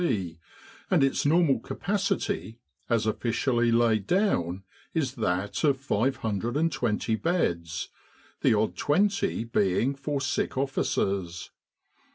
C., and its normal capacity, as officially laid down, is that of 520 beds, the odd twenty being for sick officers.